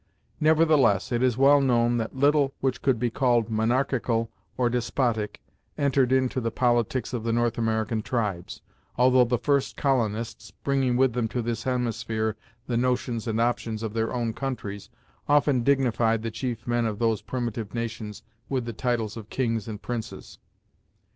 Nevertheless, it is well known that little which could be called monarchical or despotic entered into the politics of the North American tribes, although the first colonists, bringing with them to this hemisphere the notions and opinions of their own countries, often dignified the chief men of those primitive nations with the titles of kings and princes.